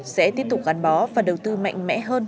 sẽ tiếp tục gắn bó và đầu tư mạnh mẽ hơn